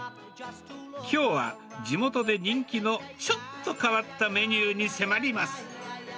きょうは地元で人気のちょっと変わったメニューに迫ります。